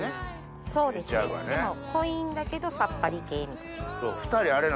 そうですねでも濃いんだけどさっぱり系みたいな。